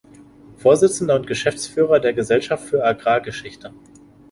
Vorsitzender und Geschäftsführer der Gesellschaft für Agrargeschichte.